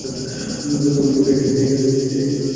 তো, এখানে কিভাবে আসলেন, দাদা?